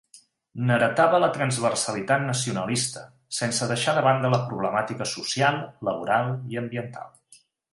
N'heretava la transversalitat nacionalista, sense deixar de banda la problemàtica social, laboral i ambiental.